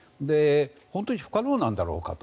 本当に不可能なんだろうかと。